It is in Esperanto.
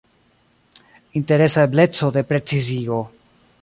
Interesa ebleco de precizigo.